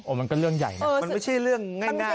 มันก็เรื่องใหญ่นะมันไม่ใช่เรื่องง่าย